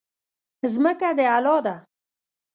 ځمکه د الله ده.